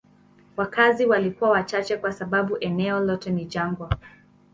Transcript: Wakazi walikuwa wachache kwa sababu eneo lote ni jangwa.